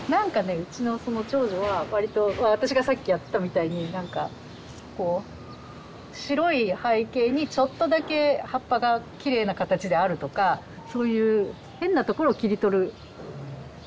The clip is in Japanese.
うちのその長女は割と私がさっきやってたみたいになんかこう白い背景にちょっとだけ葉っぱがきれいな形であるとかそういう変なところを切り取る人だったので。